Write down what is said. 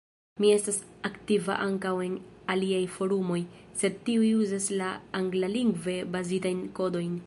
Mi estas aktiva ankaŭ en aliaj forumoj, sed tiuj uzas la anglalingve bazitajn kodojn.